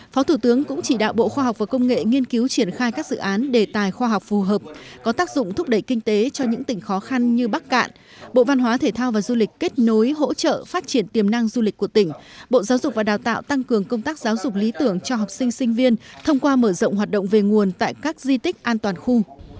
phó thủ tướng cũng chỉ đạo bộ khoa học và công nghệ nghiên cứu triển khai các dự án đề tài khoa học phù hợp có tác dụng thúc đẩy kinh tế cho những tỉnh khó khăn như bắc cạn bộ văn hóa thể thao và du lịch kết nối hỗ trợ phát triển tiềm năng du lịch của tỉnh bộ giáo dục và đào tạo tăng cường công tác giáo dục lý tưởng cho học sinh sinh viên thông qua mở rộng hoạt động về nguồn tại các di tích an toàn khu